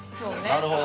なるほど。